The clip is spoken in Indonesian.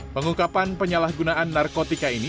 pengungkapan penyalahgunaan narkotika ini